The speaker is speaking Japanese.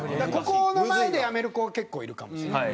ここの前でやめる子が結構いるかもしれない。